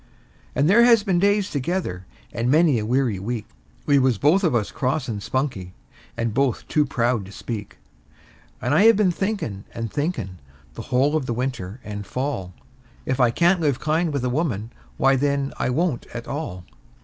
And there has been days together and many a weary week We was both of us cross and spunky, and both too proud to speak; And I have been thinkin' and thinkin', the whole of the winter and fall, If I can't live kind with a woman, why, then, I won't at all.